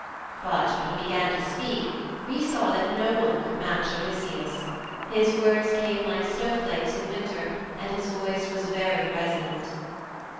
But when he began to speak we saw that no one could match Odysseus his words came like snow flakes in winter and his voice was very resonant."'